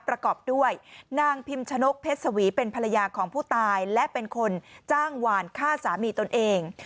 ประกอบด้วยนางพิมชนกเพชรสวีเป็นภรรยาของผู้ตายและเป็นคนจ้างหวานฆ่าสามีตนเอง